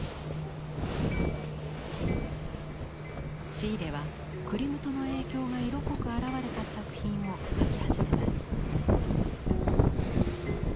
シーレはクリムトの影響が色濃く表れた作品を描き始めます。